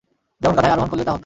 যেমন গাধায় আরোহণ করলে তা হত।